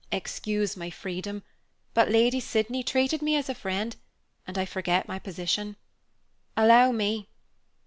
Excuse my freedom, but Lady Sydney treated me as a friend, and I forget my position. Allow me."